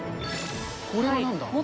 これはなんだ？